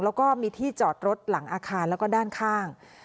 แล้วก็มีที่จอดรถหลังอาคารแล้วก็ด้านข้าง